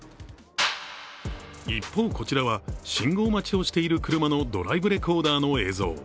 一方、こちらは信号待ちをしている車のドライブレコーダーの映像。